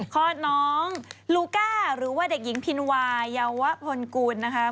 คลอดน้องลูก้าหรือว่าเด็กหญิงพินวายาวะพลกูลนะคะ